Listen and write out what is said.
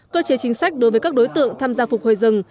cơ chế chính sách đối với các đối tượng tham gia phục hồi rừng